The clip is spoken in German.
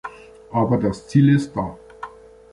Aber das Ziel ist da.